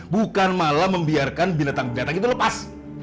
bukan malah membiarkan binatang binatang itu lepas